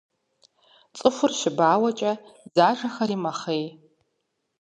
Цӏыхур щыбауэкӏэ дзажэхэри мэхъей.